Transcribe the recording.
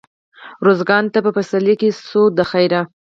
روزګان ته په پسرلي کښي ځو دخيره.